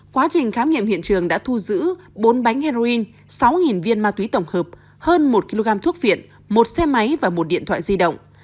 quá trình khám nghiệm hiện trường đã thu giữ bốn bánh heroin sáu viên ma túy tổng hợp hơn một kg thuốc viện một xe máy và một điện thoại di động